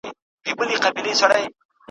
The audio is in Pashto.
استادان مي زندانونو ته لېږلي ,